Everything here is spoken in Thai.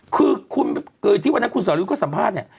คือคุณที่วันนั้นคุณศาโลยุ์ก็สัมภาษณ์